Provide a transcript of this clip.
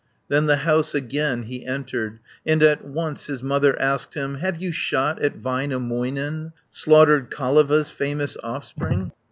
210 Then the house again he entered, And at once his mother asked him, "Have you shot at Väinämöinen? Slaughtered Kaleva's famous offspring?"